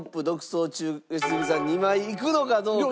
良純さん２枚いくのかどうか。